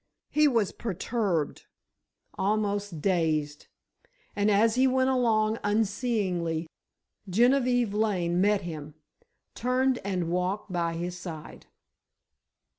He was perturbed—almost dazed, and as he went along unseeingly, Genevieve Lane met him, turned and walked by his side.